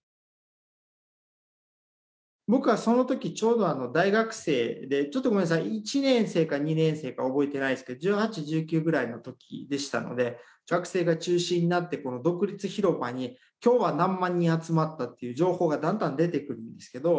僕はその時ちょうど大学生でちょっとごめんなさい１年生か２年生か覚えてないですけど１８１９ぐらいの時でしたので学生が中心になって独立広場に今日は何万人集まったっていう情報がだんだん出てくるんですけど